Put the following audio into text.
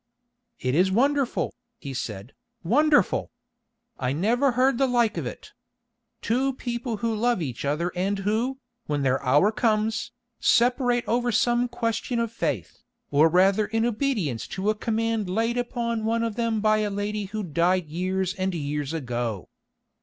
"It is wonderful," he said, "wonderful! I never heard the like of it. Two people who love each other and who, when their hour comes, separate over some question of faith, or rather in obedience to a command laid upon one of them by a lady who died years and years ago.